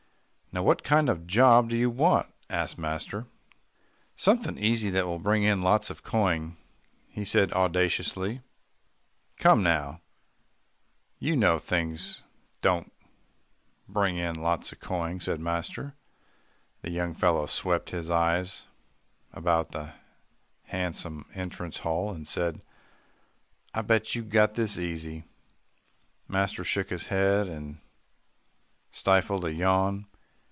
"Now, what kind of a job do you want?" asked master. "Somethin' easy that will bring in lots of coin," he said audaciously. "Come, now you know easy things don't bring in lots of coin," said master. The young fellow swept his eyes about the handsome entrance hall, and said, "I bet you got this easy." Master shook his head, and stifled a yawn.